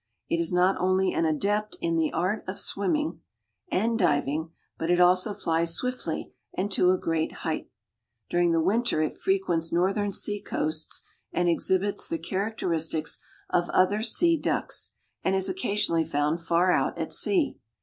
It is not only an adept in the art of swimming and diving, but it also flies swiftly and to a great height. During the winter it frequents northern sea coasts and exhibits the characteristics of other sea ducks, and is occasionally found far out at sea.